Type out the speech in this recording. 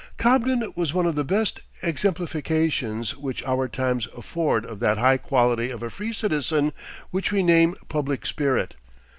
Cobden was one of the best exemplifications which our times afford of that high quality of a free citizen which we name public spirit.